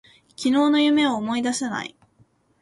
昨日の夢を思い出せない。